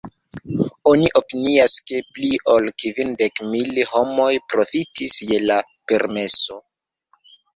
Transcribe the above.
Oni opinias ke, pli ol kvindek mil homoj profitis je la permeso.